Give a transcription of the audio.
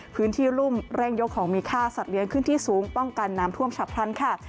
รุ่มเร่งยกของมีค่าสัตว์เลี้ยงขึ้นที่สูงป้องกันน้ำท่วมฉับพลันค่ะ